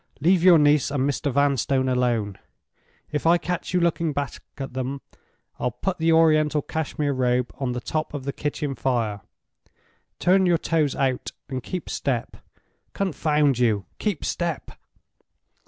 "Leave your niece and Mr. Vanstone alone! If I catch you looking back at them, I'll put the Oriental Cashmere Robe on the top of the kitchen fire! Turn your toes out, and keep step—confound you, keep step!"